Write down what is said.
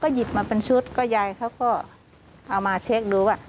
หยิบมาเป็นชุดก็ยายเขาก็เอามาเช็คดูว่า